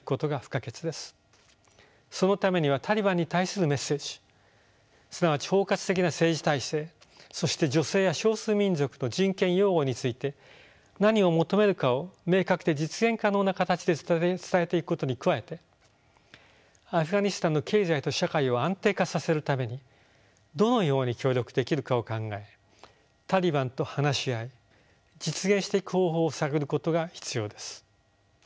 そのためにはタリバンに対するメッセージすなわち包括的な政治体制そして女性や少数民族の人権擁護について何を求めるかを明確で実現可能な形で伝えていくことに加えてアフガニスタンの経済と社会を安定化させるためにどのように協力できるかを考えタリバンと話し合い実現していく方法を探ることが必要です。